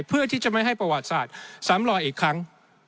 เพื่อที่จะไม่ให้ประวัติศาสตร์ซ้ำลอยอีกครั้ง